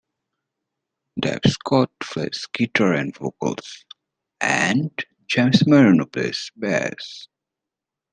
Dave Scott plays guitar and vocals, and James Marino plays bass.